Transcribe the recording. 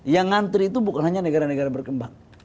yang ngantri itu bukan hanya negara negara berkembang